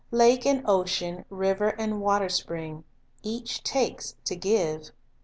Lake and ocean, river and water spring, — each takes to give.